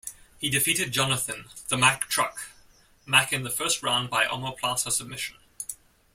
He defeated Jonathon "the Mack Truck" Mack in the first round by omoplata submission.